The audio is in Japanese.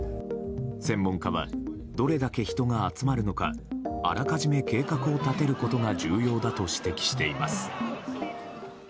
専門家はどれだけ人が集まるのかあらかじめ計画を立てることが重要だと指摘しています。